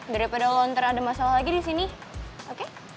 daripada lo ntar ada masalah lagi disini oke